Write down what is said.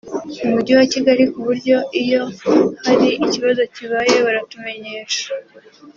umujyi wa Kigali ku buryo iyo hari ikibazo kibaye baratumenyesha